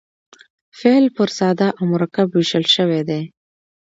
فعل پر ساده او مرکب وېشل سوی دئ.